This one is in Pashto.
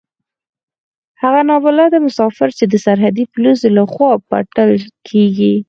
هغه نا بلده مسافر چې د سرحدي پوليسو له خوا پلټل کېږي.